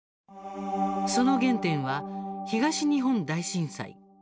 その原点は東日本大震災。